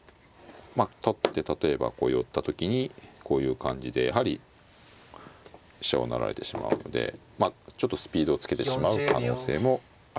まあ取って例えばこう寄った時にこういう感じでやはり飛車を成られてしまうのでちょっとスピードをつけてしまう可能性もありますよね。